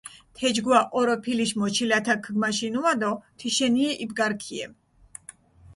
თეჯგუა ჸოროფილიშ მოჩილათაქ ქჷგმაშინუა დო თიშენიე იბგარქიე.